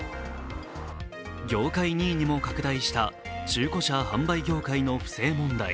業界２位にも拡大した中古車販売業界の不正問題。